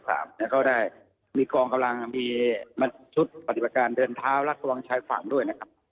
เขาได้มีกองกำลังมาชุดปฏิบัติการเดินท้าลักษณ์วังชายฝั่งด้วย